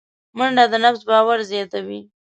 منډه د نفس باور زیاتوي